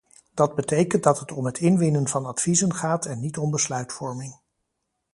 Dat betekent dat het om het inwinnen van adviezen gaat en niet om besluitvorming.